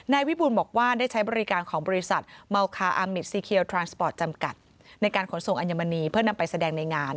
นายวิบูลบอกว่าได้ใช้บริการของบริษัทมัลคาอามิตรจำกัดในการขนส่งอัญมณีเพื่อนำไปแสดงในงาน